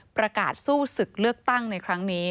ประกาศสู้ศึกเลือกตั้งในครั้งนี้